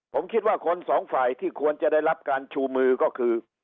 ผมคิดว่าคนสองฝ่ายที่ควรจะได้รับการชูมือก็คือ